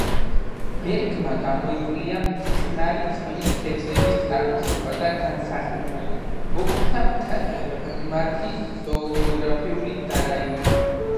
ბერგმა გამოიკვლია მტკნარი წყლის თევზების წარმოშობა და განსახლება, მოგვცა მათი ზოოგეოგრაფიული დარაიონება.